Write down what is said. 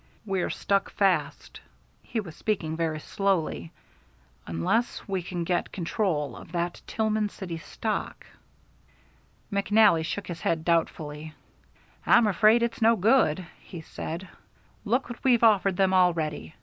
"We're stuck fast" he was speaking very slowly "unless we can get control of that Tillman City stock." McNally shook his head doubtfully. "I'm afraid it's no good," he said. "Look what we've offered them already.